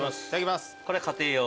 これ家庭用。